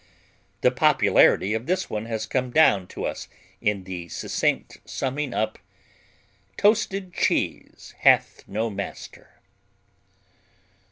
The popularity of this has come down to us in the succinct summing up, "Toasted cheese hath no master."